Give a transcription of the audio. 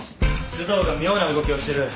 須藤が妙な動きをしてる。